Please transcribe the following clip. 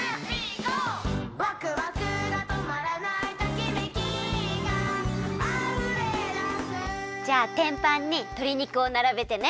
「わくわくがとまらない」「ときめきがあふれだす」じゃあてんぱんにとり肉をならべてね。